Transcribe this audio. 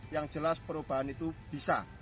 yang jelas perubahan itu bisa